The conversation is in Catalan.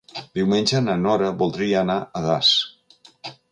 Diumenge na Nora voldria anar a Das.